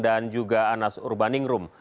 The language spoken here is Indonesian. dan juga anas urbaningrum